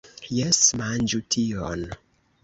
Jes! Manĝu tion!